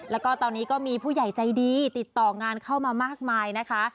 แล้วก็ตอนนี้ก็มีผู้ใหญ่ใจดีติดต่องานเข้ามามากมายนะคะ